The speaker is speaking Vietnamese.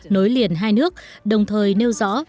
nối liền hai nước đồng thời nêu rõ